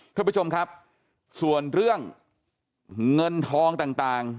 ท่านผู้ชมครับส่วนเรื่องเงินทองต่าง